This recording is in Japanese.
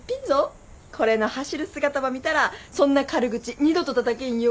これの走る姿ば見たらそんな軽口二度とたたけんよ。